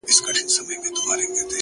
چي ياد پاته وي ـ ياد د نازولي زمانې ـ